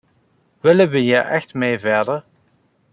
Willen we hier echt mee verder?